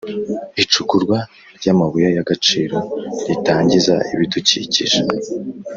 icukurwa ry’amabuye y’agaciro ritangiza ibidukikije